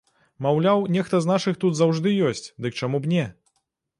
Маўляў, нехта з нашых тут заўжды ёсць, дык чаму б не?